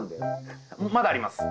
まだあります。